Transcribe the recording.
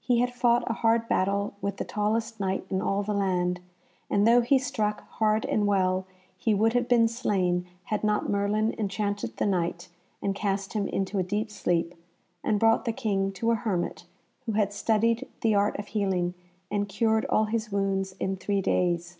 He had fought a hard battle with the tallest Knight in all the land, and though he struck hard and well, he would have been slain had not Merlin enchanted the Knight and cast him into a deep sleep, and brought the King to a hermit who had studied the art of healing, and cured all his wounds in three days.